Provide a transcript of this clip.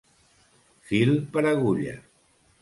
Fil per agulla.